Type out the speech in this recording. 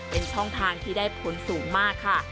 เป็นช่องทางที่ได้ผลสูงมากค่ะ